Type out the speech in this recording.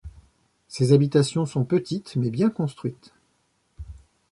Ces habitations sont petites mais bien construites.